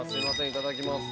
いただきます。